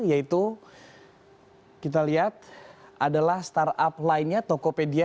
yaitu kita lihat adalah startup lainnya tokopedia